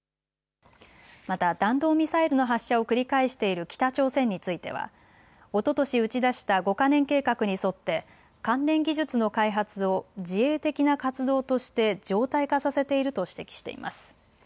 また弾道ミサイルの発射を繰り返している北朝鮮についてはおととし打ち出した５か年計画に沿って関連技術の開発を自衛的な活動として常態化させていると指摘しています。